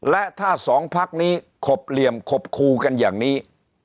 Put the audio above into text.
และถ้าสองพักนี้ขบเหลี่ยมขบคูกันอย่างนี้